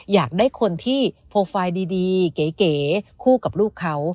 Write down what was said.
อยากได้คนที่โปรไฟล์ดีเก๋คู่กับลูกเขา